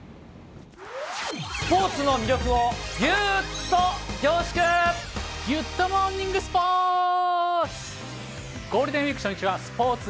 スポーツの魅力をぎゅっと凝ギュッとモーニングスポーツ。